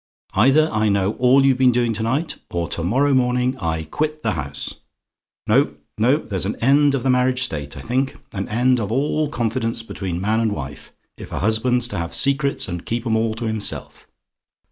Either I know all you've been doing to night, or to morrow morning I quit the house. No, no; there's an end of the marriage state, I think an end of all confidence between man and wife if a husband's to have secrets and keep 'em all to himself.